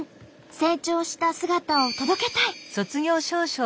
成長した姿を届けたい。